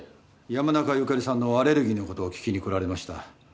山中由佳里さんのアレルギーの事を聞きに来られました。